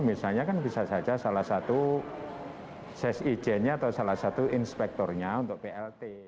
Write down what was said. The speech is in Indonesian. misalnya kan bisa saja salah satu ses ijennya atau salah satu inspektornya untuk plt